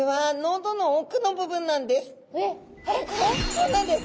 そうなんです。